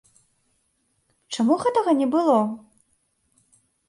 Чаму гэтага не было?